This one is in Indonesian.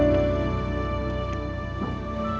aku mau pergi